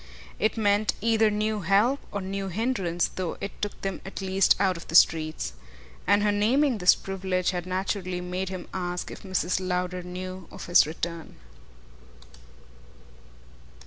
It meant either new help or new hindrance, though it took them at least out of the streets. And her naming this privilege had naturally made him ask if Mrs. Lowder knew of his return.